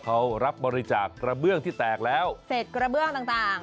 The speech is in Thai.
เขารับบริจาคกระเบื้องที่แตกแล้วเสร็จกระเบื้องต่างต่าง